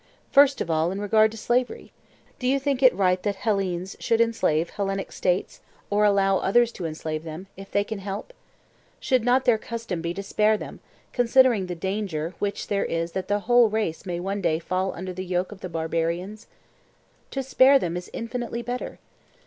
First of all, in regard to slavery? Do you think it right that Hellenes should enslave Hellenic States, or allow others to enslave them, if they can help? Should not their custom be to spare them, considering the danger which there is that the whole race may one day fall under the yoke of the barbarians? To spare them is infinitely better.